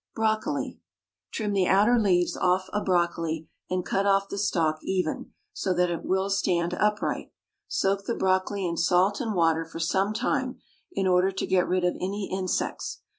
BROCOLI. Trim the outer leaves off a brocoli, and cut off the stalk even, so that it will stand upright. Soak the brocoli in salt and water for some time, in order to get rid of any insects.